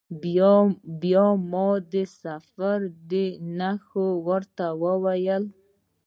بیا ما د سفر نښې ورته وویلي.